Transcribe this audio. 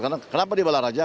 kenapa di bala raja